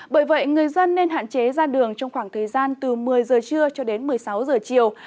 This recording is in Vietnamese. bởi vậy người dân nên hạn chế ra đường trong khoảng thời gian từ một mươi giờ trưa cho đến một mươi sáu giờ chiều